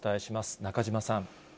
中島さん。